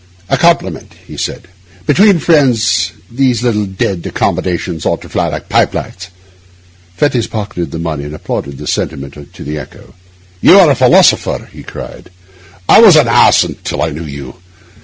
'A compliment,' he said. 'Between friends these little d d accommodations ought to fly like pipe lights.' Fettes pocketed the money, and applauded the sentiment to the echo. 'You are a philosopher,' he cried. 'I was an ass till I knew you.